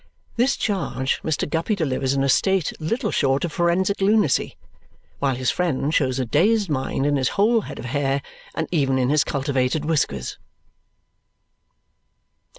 This charge Mr. Guppy delivers in a state little short of forensic lunacy, while his friend shows a dazed mind in his whole head of hair and even in his cultivated whiskers.